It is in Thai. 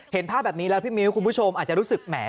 เห็นภาพแบบนี้แล้วพี่มิ้วคุณผู้ชมอาจจะรู้สึกแหม